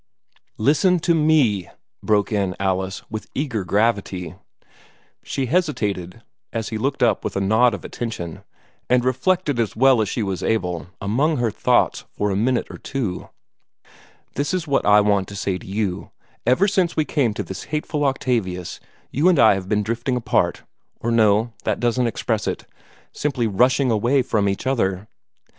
"Listen to me!" broke in Alice, with eager gravity. She hesitated, as he looked up with a nod of attention, and reflected as well as she was able among her thoughts for a minute or two. "This is what I want to say to you. Ever since we came to this hateful Octavius, you and I have been drifting apart or no, that doesn't express it simply rushing away from each other.